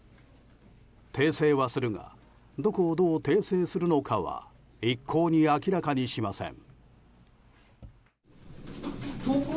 訂正はするがどこをどう訂正するのかは一向に明らかにしません。